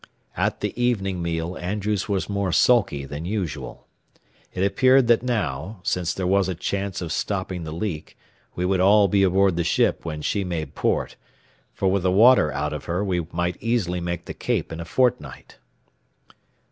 At the evening meal Andrews was more sulky than usual. It appeared that now, since there was a chance of stopping the leak, we would all be aboard the ship when she made port, for with the water out of her we might easily make the Cape in a fortnight.